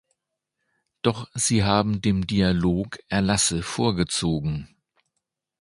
Doch Sie haben dem Dialog Erlasse vorgezogen.